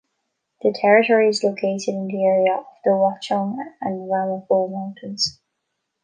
The territory is located in the area of the Watchung and Ramapo Mountains.